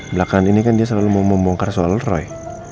belakangan ini kan dia selalu mau membongkar soal roy